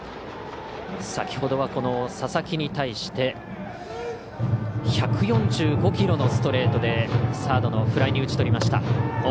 先ほどは佐々木に対して１４５キロのストレートでサードのフライに打ち取りました。